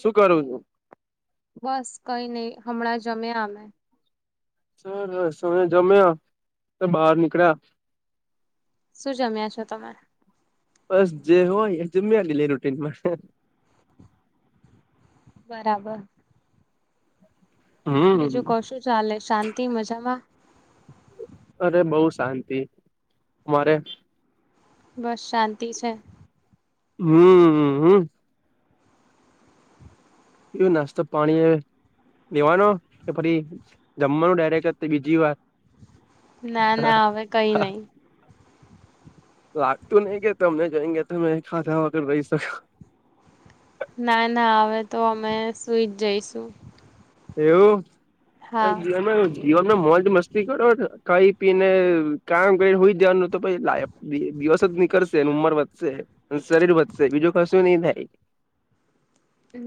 શું કરું છું? બસ કઈ નહિ હમણાં જમયા અમે સર હવે જમ્યા તો બહાર નીકળ્યા શું જમ્યા છો તમે? બસ જે હોય એ જમ્યાની ડેલી રૂટીનમા બરાબર હમ બીજું કો શું ચાલે શાંતિ મજામાં? અરે બઉ શાંતિ મારે બસ શાંતિ છે. હમ. હમ. હમ એવું નાસ્તો પાણી એ લેવાનો કે ફરી જમવાનું ડાયરેક્ટ બીજી વાર ના ના હવે કઈ નઈ લાગતું નહિ કે તમને જોઈ કે તમે ખાધા વગર રહી શકો. ના ના હવે તો અમે સુઈ જ જઈશું એવું હા જમ્યા નથી જીવન માં મોજ મસ્તી કરો કઈ પીને કામ કરી હુઈ જવાનું તો પછી લાયફ દિવસ જ નીકળશે ઉંમર વધશે શરીર વધશે બીજું કશું નહી થાય. [inaudible]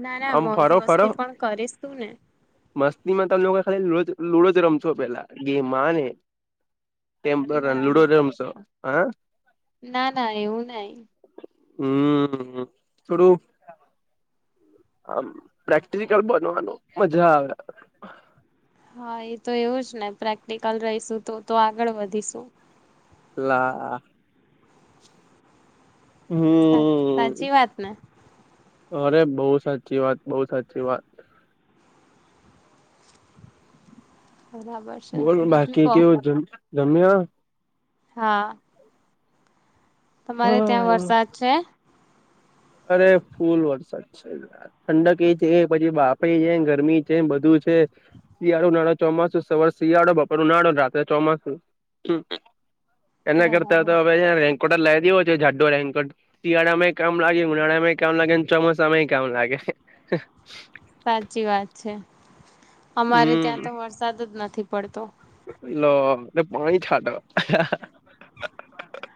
ના ના આમ મોજ ફરો મસ્તી પણ કરીશું ને. મસ્તી માં તમને ખાલી લુડો જ રમશો પેલા ગેમમાં ને. ટેમ્પર અને ના લુડો ના રમશો હ. ના ના એવું નહી. હમ્મ થોડુ. આમ પ્રેક્ટિકલ બનવાનું મજા આવે. હા એ તો એવું જ ને પ્રેક્ટિકલ રહીશું તો તો આગળ વધીશું લા. સા હમ સાચી વાતને. અરે બહુ સાચી વાત બહુ સાચી વાત. બરાબર છે બોલ બીજું બાકી કહો કેવું છે જમ્યા? હા. તમારે ત્યાં હા વરસાદ છે? અરે ફૂલ વરસાદ છે. ઠંડક એ છે પછી બાફે છે ગરમી છે બધું છે. શિયાળો, ઉનાળો, ચોમાસુ સવાર શિયાળો, બપર ઉનાળો, રાત્રે ચોમાસું એના કરતા બરાબર હવે રેન્કોટ લાય દેયો છે જાડો રેન્કોટ શિયાળામાં કામ મ લાગે ઉનાળા માં કેમ લાગે ને ચોમાસામાંય કમ લાગે. [inaudible] સાચી વાત છે. અમારે હમ ત્યાં તો વરસાદ જ નથી પડતો. લ લો પાણી છાટ.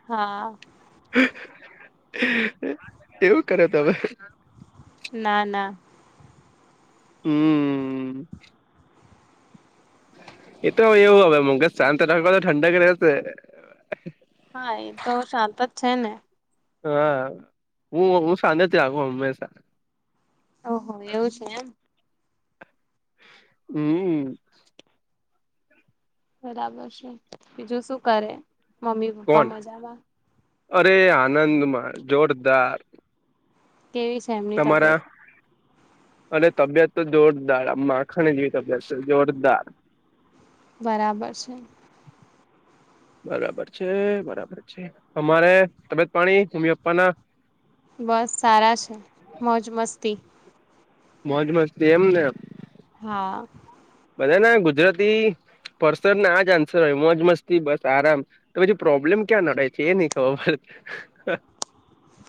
હા. એવું કર્યો તમે. ના ના. હમ્મ. એતો એવું હવે મંગજ શાંત રાખ તો ઠંડક રહેશે. હા એ તો શાંત જ છે ને હા હું હું સાંત જ રાખું હંમેશા. ઓહો એવું છે એમ. હમ્મ. બરાબર છે બીજું શું કરે મમ્મી - પપ્પા કોણ મજામાં? અરે આનંદમાં જોરદાર કેવી છે એમ? તમારા. અ તબિયત તો જોરદાર આ માખાણ જેવી તબિયત છે જોરદાર બરાબર છે. બરાબર છે, બરાબર છે. અમારે તબિયત પાણી મમ્મી પપ્પા ના? બસ સારા છે મોજ મસ્તી. મોજ મસ્તી એમ ને હા. બધા ના ગુજરાતી પર્સન ના આજ આન્સર હોય મોજ મસ્તી બસ આરામ. તો પછી પ્રોબ્લેમ ક્યાં નડે છે. એ નહિ ખબર પડ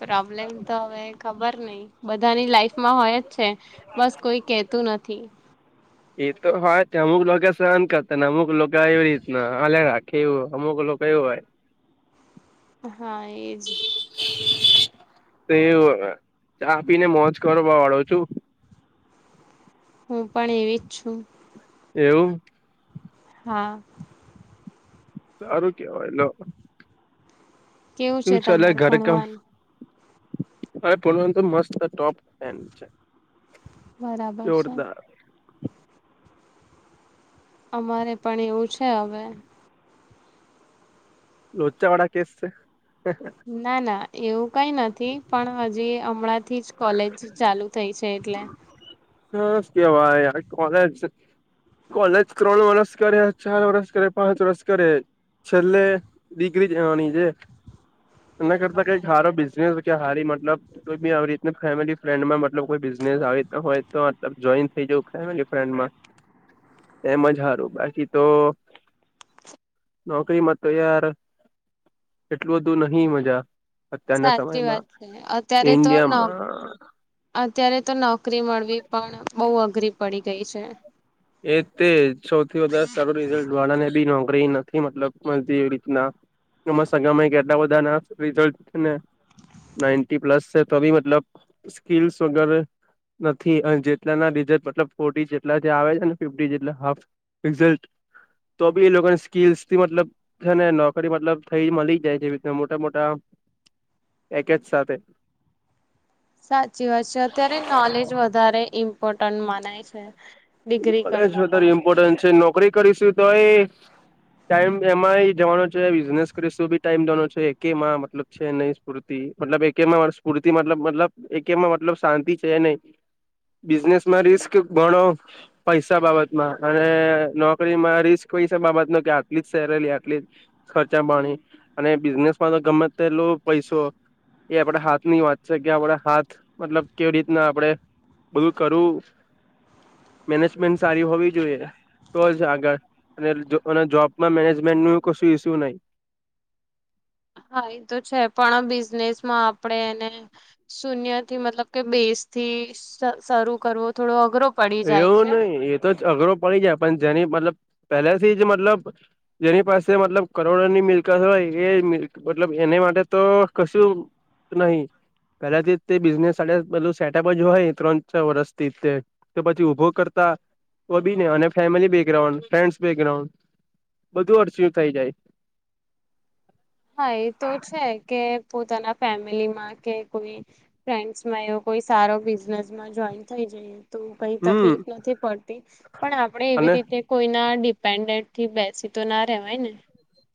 પ્રોબ્લેમ તો હવે ખબર નઈ બધાની લાઈફમાં હોય જ છે બસ કોઈ કહેતું નથી. એ તો હોય અમુક લોકો સહન કરતા ને અમુક લોકો એવી રીતના હલયા રાખ. કેવું હમુકલો કવું ભાઈ હા એજ તો વ ચા પી ને મોજ કરો બ વાળો છું. હું પણ એવી જ છું. એવું. હા. હારું કેવાય લો કેવું છે કેવુ ચાલે તમારું ઘરે કામ ભણવાનું હવે તો [unintelligible] મસ્ત ટોપ પેન્ટ છે. બરાબર છે. જોરદાર અમારે પણ એવું છે હવે. લોચા વાળા કેસ છે હે હે. ના ના એવું કઈ નથી પણ હજી હમણાંથી જ કોલેજ ચાલુ થઈ છે એટલે. [unintelligible] કેવાઈ આજ કોલેજ કોલેજ ત્રણ વર્ષ કરે ચાર વરષ કરે પાંચ વર્ષ કરે છેલ્લે ડિગ્રી જ જેવાની છેે. એના કરતા કઈક હારો બિઝનેસ કે હારી મતલબ કોઈ બી આવી રીત ફેમિલી ફ્રેન્ડ માં મતલબ કોઈ બિઝનેસ આવી રીતના હોય. તો તલ જોઈન થઈ જઉ ફેમિલી ફન્ડમાં. એમ જ હારું બાકી તો નોકરી માં તો યાર એટલું બધું નહી મજા. અત્યારના સાચી સમયમાં વાત છે અત્યારે તો ન ઇન્ડિયામાં અત્યારે તો નોકરી મળવી પણ બહુ અઘરી પડી ગઈ છે. એ તે સૌથી વધારે સારું રીઝલ્ટ વાળ ને બી નોકરી નથી મતલબ મ એવી રીતના કેમ સગા માયા કેટલા બધા ના રીઝલ્ટ ને નાઇનટી પ્લસ છે તો મતલબ સ્કીલ્સ વગરે નથી અને જેટલા ના રીઝલ્ટ મતલબ ફોટી જેટલા જે આવે અને ફિફ્ટી જેટલા હાફ રિઝલ્ટ તો બી એ લોક ન સ્કીલ થી મતલબ છે ને નોકરી મતલબ થઈ મળી જાય છે જે રીત ના મોટા મોટા એક જ સાથે. સાચી વાત છે અત્યારે નોલેજ વધારે ઇમ્પોર્ટન્ટ મનાય છે. ડિગ્રી મતલબ જો કરતા પણ તારી ઈમ્પોર્ટન્ટ છે નોકરી કરીશું તો એ ટાઈમ એમાં જવાનો છે બિઝનેસ કરી શું બી ટાઈમ દવાનો છે કેમાં મતલબ છે નહીં સ્ફૂર્તિ મતલબ એકેમાં સ્ફૂર્તિ મતલબ મતલબ એકેમાં મતલબ શાંતિ છે નહી. બિઝનેસ માં રિસ્ક ગણો પૈસા બાબતમાં અને નોકરીમાં રિસ્ક પૈસા બાબત ન કે આટલી જ સેરેલી આટલી ખર્ચા પાણી અને બિઝનેસ માં તો ગમે તેલો પૈસો એ આપણે હાથની વાત છે કે આપણે હાથ મતલબ કેવી રીતના આપણેે બધું કરવું મેનેજમેન્ટ સારી હોવી જોઈએ. તો જ આગળ અને જોબમાં મેનેજમેન્ટ ન કશું ઈસ્યુ નહી. હા એ તો છે પણ બિઝનેસ માં આપણેે એને શૂન્ય થી મતલબ કે બેઝ થી શરૂ કરવો થોડો અઘરો પડી જાય છે એવું નહીં એતો જ અઘરો પડી જાય પણ જેની મતલબ પહેલાથી જ મતલબ જેની પાસે મતલબ કરોડોની મિલકત હોય એ મ મતલબ એને માટે તો કશું નહી કદાથી તે બિઝનેસ સા બધું સેટઅપ જ હોય ત્રણ ચ વર્ષથી તે તો પછી ઉભો કરતા હો બીને અને ફેમિલી બેકગ્રાઉન્ડ ફ્રેન્ડ્સ બેગાઉન્ડ બધું અડચયું થઈ જાય. હા એ તો છે કે પોતાના ફેમિલીમાં કે કોઈ ફ્રેન્ડ્સમાં એવો કોઈ સારો બિઝનેસમાં જોઈન થઈ જઈએ. તો કઈ હમ તકલીફ નથી પડતી પણ આપણેે એવી અને રીતે કોઈના ડિપેન્ડેન્ટ થી બેસી તો ના રહેવાય ને.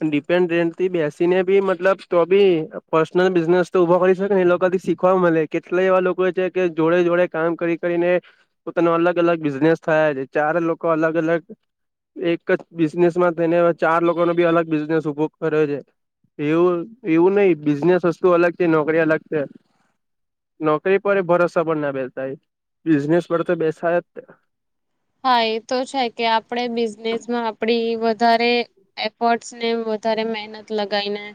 ડિપેન્ડ રેન્ટ થી બેસીને બી મતલબ તો બી પર્સનલ બિઝનેસ તો ઉભો કરી શકે ને એ લોકોથી સી શીખવા મળે કેટલા એવા લોકો છે કે જોડે જોડે કામ કરી કરીને પોતાનો અલગ અલગ બિઝનેસ થયા છે ચાર લોકો અલગ અલગ એક જ બિઝનેસ માં થઈને એવા ચાર લોકોનો બી અલગ બિઝનેસ ઉભો કર્યો છે. એવું એવું નહિ બિઝનેસ વસ્તુ અલગ છે નોકરી અલગ છે. નોકરી પર ભરોસા પણ ના બેશાય બિઝનેસ પર તો બેશાયજ ને. હા એ તો છે કે આપણે બિઝનેસમાં આપડી વધારે એફર્ટસ ને વધારે મહેનત લગાઈ ને.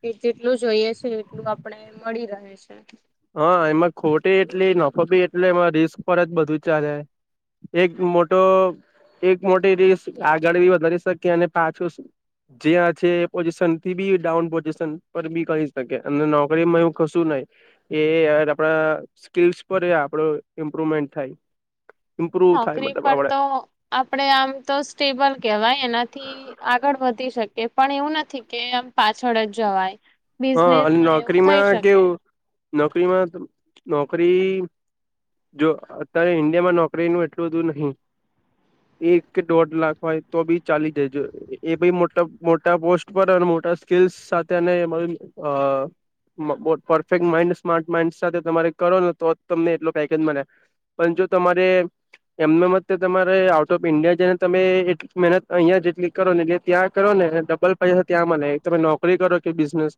કે જેટલું જોઈએ છે એટલું આપણેે મળી રહે છે. હા એમાં ખોટી એટલી નફો બી એટલે એમાં રિસ્ક પર જ બધું ચાલે. એક મોટો એક મોટી રિક્સ આગળ બી વધારી શકી અને પાછું. જ્યાં છે એ પોઝિશન થી બી ડાઉન પોઝિશન પર બી કરી શકે અને નોકરીમાં એવું. કશું નઈ એ યાર આપણા સ્કીલ્સ પર આપડો ઇમ્પ્રુવમેન્ટ થાય. ઇમ્પ્રુવ થાય નોકરી મતલબ પર આપડે તો. આપણે આમ તો સ્ટેબલ કહેવાય એનાથી આગળ વધી શકીએ પણ એવું નથી કે આમ પાછળ જ જવાય. હા અને બિઝનેસમાં એવું થઈ નોકરીમાં શકે. કેવું નોકરીમાં નોકરી જો અત્યારે ઈન્ડિયામાં નોકરીનું એટલું બધું નહી એક કે દોઢ લાખ હોય તો બી ચાલી જજો એ ભી મોટ મોટા પોસ્ટ પર અને મોટા સ્કીલ્સ સાથે અને. પરફેક્ટ માઇન્ડ સ્માર્ટ માઇન્ડ સાથે તમા કરો ને તો તમને એટલો પેકેજ મળે. પણ જો તમારે. એમના મત તમારે આઉટ ઓફ ઈન્ડિયા જને તમે એટલી મહેનત અહિયાં જેટલી કરો ને એ ત્યાં કરો ને. લ પૈસા ત્યાં મને તમે નોકરી કરો કે બિઝનેસ.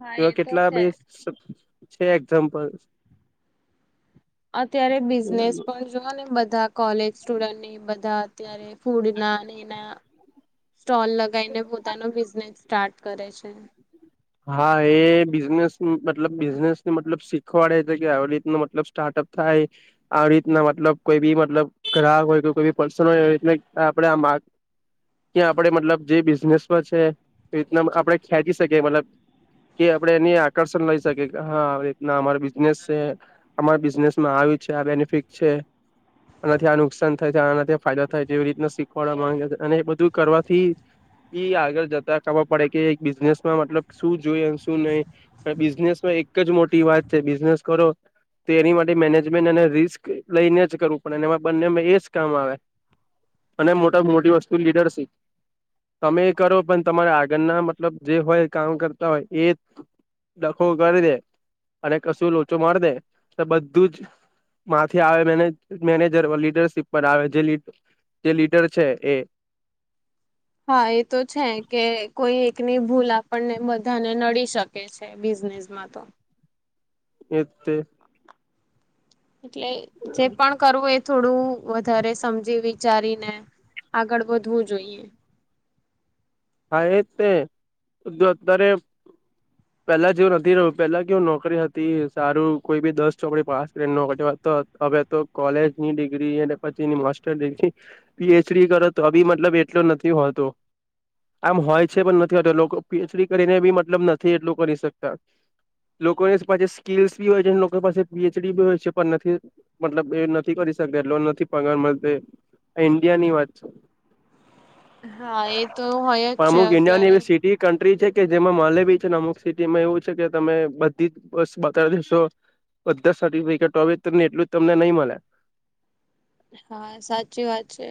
હા એ એવા તો કેટલા બે છે. છે એક્ઝામ્પલ. અત્યારે બિઝનેસ પણ જોઓ ને બધા કોલેજ સ્ટુડન્ટની બધા અત્યારે ફૂડ ના અને એના સ્ટોલ લગાવીને પોતાનો બિઝનેસ સ્ટાર્ટ કરે છે. હા એ બિઝનેસ મતલબ બિઝનેસ ને મતલબ શીખવાડે છે કે આવી રીતનો મતલબ સ્ટાર્ટઅપ થાય. આવી રીતના મતલબ કોઈ બી મતલબ ગ્રાહક હોય કે કોઈ બી પર્સન હોય રીત આપણે આમ ત્યાં આપડે મતલબ જે બિઝનેસમાં છે એ રીતના આપડે ખેંચી શકીએ મતલબ કે આપડે એને આકર્ષણ લઈ શકીએ હા રીતના અમારી બિઝનેસ છે. અમારા બિઝનેસ માં આવી છે આ બેનિફિટ છે. આનાથી આ નુકસાન થાય છે આનાથી ફાયદા થાય તેવી રીતના શીખવાડવા માંગે અને એ બધું કરવાથી ઈ આગળ જતા ખબર પડે કે એક બિઝનેસ માં મતલબ શું જોઈએ શું નહી બિઝનેસમાં એક જ મોટી વાત છે બિઝનેસ કરો તે એની માટે મેનેજમેન્ટ અને રિસ્ક લઈને જ કરવું પણ એમાં બંને એ જ કામ આવે. અને મોટા મોટી વસ્તુ લીડર શીપ. તમે કરો પણ તમારા આગળના મતલબ જે હોય કામ કરતા હોય એ. ડખો કરી દે અને કશું લોચો મારી દે તો બધું જ. માંથી આવે મેને મેનેજર લીડરશીપ પર આવે જે. જે લીડર છે એ. હા એ તો છે કે કોઈ એકની ભૂલ આપણને બધાને નડી શકે. કે છે બિઝનેસમાં તો. એ તે. એટલે જે પણ કરવું એ. થોડું વધારે સમજી વિચારીને આગળ વધવું જોઈએ. હા એ તે જો અત્યારે. પેલા જેવું નથી રહ્યું પેલા કેવું નોકરી હતી સારું કોઈ બી દસ ચોપડી પાસ કરી નોકરી વાતો. હવે તો કોલેજ ની ડિગ્રી અને પછીની માસ્ટર ડિગ્રી પીએચડી કરો તો બી મતલબ એટલો નથી હોતો આમ હોય છે પણ નથી એ લોકો પીએચડી કરીને બી મતલબ નથી એટલું કરી શકતા લોકોની પાછે સ્કીલ્સ બી હોય છે લોકોની પાસે પીએચડી બી હોય છે પણ નથી મતલબ એ નથી કરી શકયા એટલો નથી પગાર મલતે ઇન્ડિયા ની વાત છે. હા એ તો હોય. જ પણ છે અમુક ઇન્ડિયાની અત્યારે એવી સિટી કન્ટ્રી છે કે જેમાં માલેવી છે, ને અમુક સિટીમાં એવું છે કે તમે બધી જ બસ બકા લેશો. બધા સર્ટિફિકેટો હવે તમને એટલું જ તમને નહીં મલે. હા, સાચી વાત છે.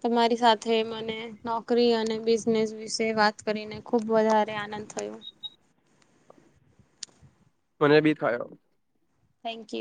તમારી સાથે મને નોકરી અને બિઝનેસ વિશે વાત કરીને- ખૂબ વધારે આનંદ થયો. મને બી થયો. Thank you.